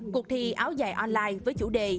cuộc thi áo dài online với chủ đề